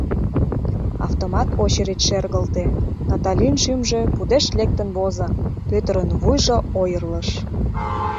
Автомат очередь шергылте — Наталин шӱмжӧ пудешт лектын возо, Пӧтырын вуйжо ойырлыш.